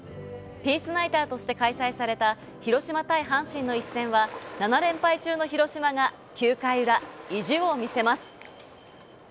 ピースナイターとして開催された広島対阪神の一戦は、７連敗中の広島が９回裏、意地を見せます。